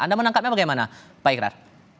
anda menangkapnya bagaimana pak ikhlas